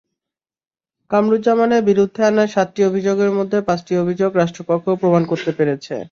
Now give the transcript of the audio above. কামরুজ্জামানের বিরুদ্ধে আনা সাতটি অভিযোগের মধ্যে পাঁচটি অভিযোগ রাষ্ট্রপক্ষ প্রমাণ করতে পেরেছে।